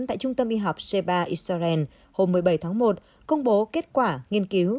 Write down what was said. tại trung tâm y học sheba israel hôm một mươi bảy tháng một công bố kết quả nghiên cứu